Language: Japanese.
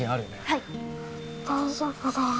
・はい大丈夫だよ